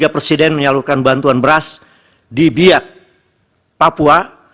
tiga presiden menyalurkan bantuan beras di biak papua